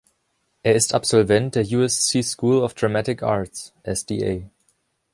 Er ist Absolvent der USC School of Dramatic Arts (SDA).